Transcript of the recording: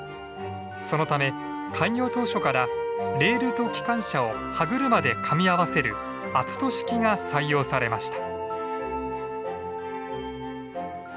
そのため開業当初からレールと機関車を歯車でかみ合わせるアプト式が採用されました。